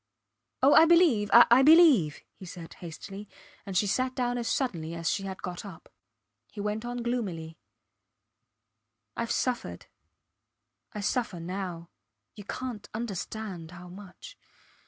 Oh! I believe, I believe, he said, hastily, and she sat down as suddenly as she had got up. He went on gloomily Ive suffered I suffer now. You cant understand how much.